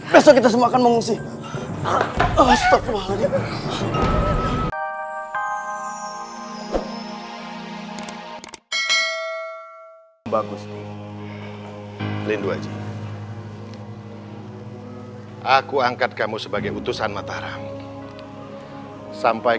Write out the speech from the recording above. besok kita semua akan mengungsi